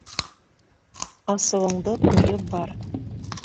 Асыуыңды ҡуйып бар.